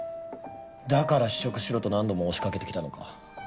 だから試食しろと何度も押しかけてきたのか。